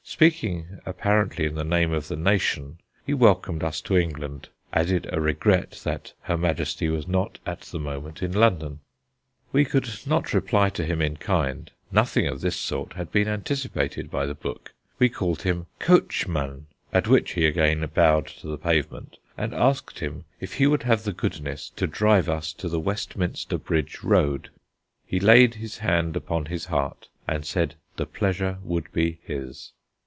Speaking apparently in the name of the nation, he welcomed us to England, adding a regret that Her Majesty was not at the moment in London. We could not reply to him in kind. Nothing of this sort had been anticipated by the book. We called him "coachman," at which he again bowed to the pavement, and asked him if he would have the goodness to drive us to the Westminster Bridge road. He laid his hand upon his heart, and said the pleasure would be his.